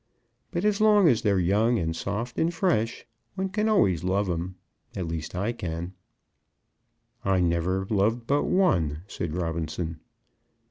But as long as they're young, and soft, and fresh, one can always love 'em; at least I can." "I never loved but one," said Robinson.